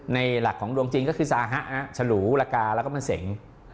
หลักของดวงจริงก็คือซาฮะฉลูละกาแล้วก็มะเสง